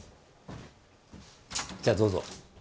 じゃあどうぞ。